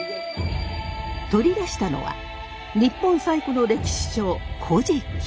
取り出したのは日本最古の歴史書「古事記」。